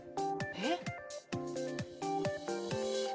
えっ？